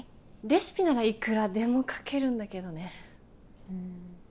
レシピならいくらでも書けるんだけどね